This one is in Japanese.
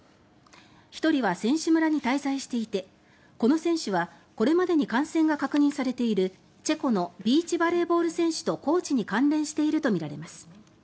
１人は選手村に滞在していてこの選手はこれまでに感染が確認されているチェコのビーチバレーボール選手とコーチに関連しているとみられます。